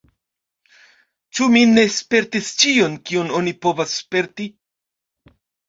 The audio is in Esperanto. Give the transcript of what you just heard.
Ĉu mi ne spertis ĉion, kion oni povas sperti?